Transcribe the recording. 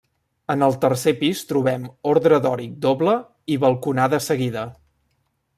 En el tercer pis trobem ordre dòric doble i balconada seguida.